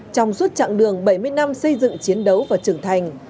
trong suốt chặng đường bảy mươi năm xây dựng chiến đấu và trưởng thành